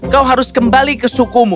kau harus kembali ke suku mu